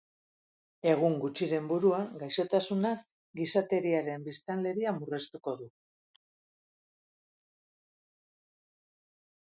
Egun gutxiren buruan, gaixotasunak gizateriaren biztanleria murriztuko du.